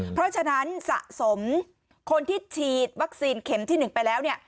เพราะฉะนั้นสะสมคนที่ฉีดวัคซีนเข็มที่๑ไปแล้วเนี่ย